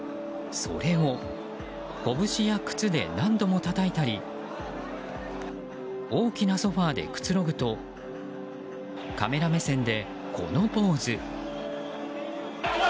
それを拳や靴で何度もたたいたり大きなソファでくつろぐとカメラ目線でこのポーズ。